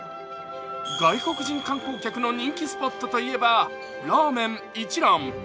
外国人観光客の人気スポットといえば、ラーメン一蘭。